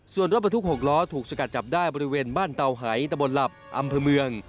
ส่วนรถบรรทุก๖ล้อถูกสกัดจับได้บริเวณบ้านเตาหายตะบนหลับอำเภอเมือง